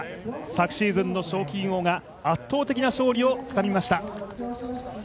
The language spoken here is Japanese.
昨シーズンの賞金王が圧倒的な勝利をつかみました。